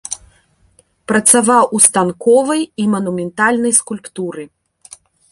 Працаваў ў станковай і манументальнай скульптуры.